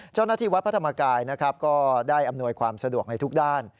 เจ้าหน้าที่วัดพระธรรมกายนะครับก็ได้อำนวยความสะดวกในทุกด้าน